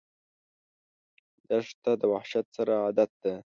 دښته د وحشت سره عادت ده.